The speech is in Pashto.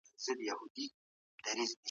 پوهانو وویل چي مطالعه شخصیت جوړوي.